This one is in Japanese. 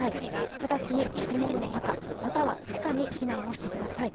直ちに建物の中または地下に避難してください。